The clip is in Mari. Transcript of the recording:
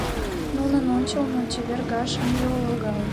— Нунын ончылно чевергаш ынже логал.